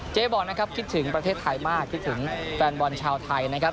บอกนะครับคิดถึงประเทศไทยมากคิดถึงแฟนบอลชาวไทยนะครับ